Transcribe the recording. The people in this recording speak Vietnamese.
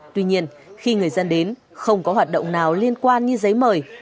tuy nhiên khi người dân đến không có hoạt động nào liên quan như giấy mời